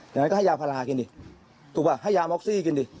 อย่างนั้นก็ให้ยาพารากินดิถูกป่ะให้ยาม็อกซี่กินดิ